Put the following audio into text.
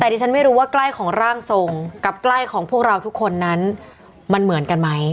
แต่ดิฉันไม่รู้ว่าใกล้ของร่างทรงกับใกล้ของพวกเราทุกคนนั้นมันเหมือนกันไหม